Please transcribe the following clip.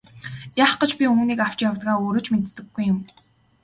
Яах гэж би үүнийг авч явдгаа өөрөө ч мэддэггүй юм.